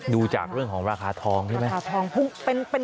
ดูจากเรื่องของราคาทองใช่ไหม